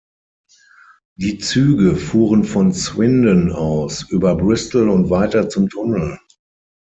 Die Züge fuhren von Swindon aus über Bristol und weiter zum Tunnel.